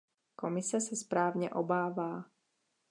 Komise se správně obává.